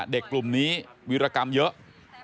กลุ่มนี้วิรกรรมเยอะ